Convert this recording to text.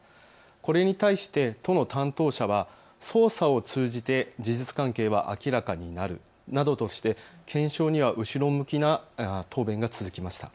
これに対して都の担当者は捜査を通じて事実関係は明らかになるなどとして検証には後ろ向きな答弁が続きました。